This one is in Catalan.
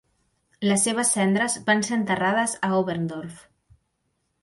Les seves cendres van ser enterrades a Oberndorf.